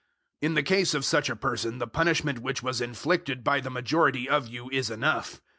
002:006 In the case of such a person the punishment which was inflicted by the majority of you is enough.